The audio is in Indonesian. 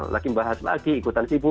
lagi membahas lagi ikutan tim